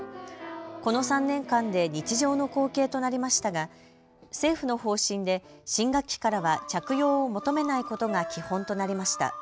この３年間で日常の光景となりましたが政府の方針で新学期からは着用を求めないことが基本となりました。